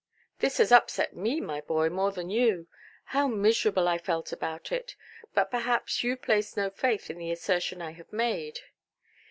"This has upset me, my boy, more than you. How miserable I felt about it! But perhaps you place no faith in the assertion I have made"?